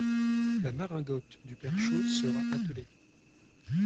La maringotte du père Chose sera attelée.